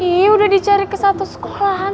ini udah dicari ke satu sekolahan